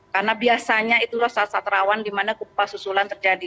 karena biasanya itulah saat saat rawan dimana gempa susulan terjadi